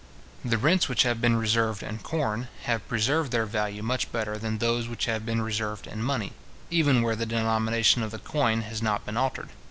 The rents which have been reserved in corn, have preserved their value much better than those which have been reserved in money, even where the denomination of the coin has not been altered.